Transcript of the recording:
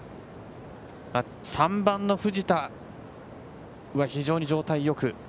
３番、藤田は非常に状態がいい。